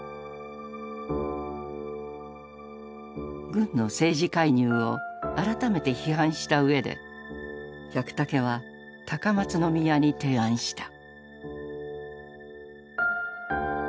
軍の政治介入を改めて批判したうえで百武は高松宮に提案した。